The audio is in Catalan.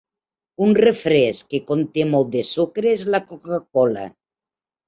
Un refresc que conté molt de sucre és la Coca-Cola.